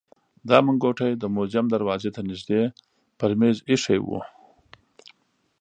دا منګوټی د موزیم دروازې ته نژدې پر مېز ایښی و.